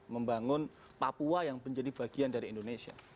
membangun papua yang menjadi bagian dari indonesia